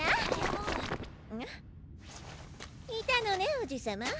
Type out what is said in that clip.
いたのねおじさま。